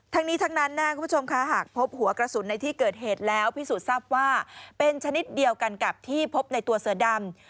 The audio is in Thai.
ทั้งนี้ทั้งนั้นคุณผู้ชมค่ะหากพบหัวกระสุนในที่เกิดเหตุแล้วพิสูจน์ทราบว่าเป็นชนิดเดียวกันกับที่พบในตัวเสือดำ